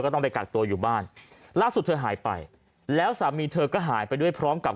ต้องไปกักตัวอยู่บ้านล่าสุดเธอหายไปแล้วสามีเธอก็หายไปด้วยพร้อมกับ